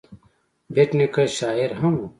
بېټ نیکه شاعر هم و.